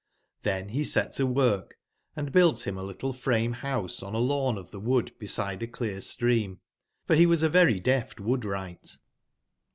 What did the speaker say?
T^ben be set to work and built bim a little frame/bouse on a lawn of tbe wood beside a clear stream ; for be was a very deft wood wrigbt.